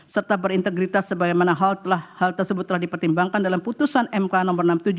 serta berintegritas sebagaimana hal tersebut telah dipertimbangkan dalam putusan mk no enam puluh tujuh dua ribu dua puluh satu